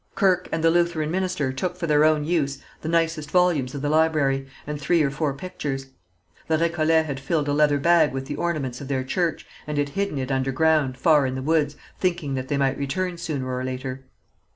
Kirke and the Lutheran minister took for their own use the nicest volumes of the library, and three or four pictures. The Récollets had filled a leather bag with the ornaments of their church, and had hidden it underground, far in the woods, thinking that they might return sooner or later.